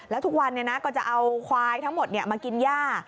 แล้วทุกวันเนี่ยนะก็จะเอาควายทั้งหมดเนี่ยมากินหญ้า